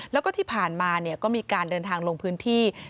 แล้วก็ที่ผ่านมาก็มีการเดินทางลงพื้นที่